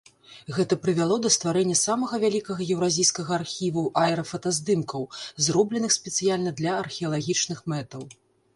Гэта прывяло да стварэння самага вялікага еўразійскага архіву аэрафотаздымкаў, зробленых спецыяльна для археалагічных мэтаў.